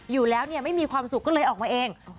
อยู่แล้วเนี่ยไม่มีความสุขก็เลยออกมาเอง